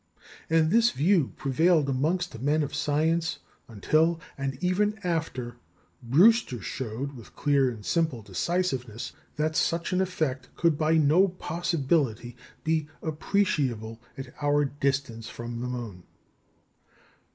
And this view prevailed amongst men of science until (and even after) Brewster showed, with clear and simple decisiveness, that such an effect could by no possibility be appreciable at our distance from the moon.